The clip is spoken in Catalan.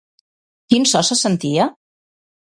Quin so se sentia?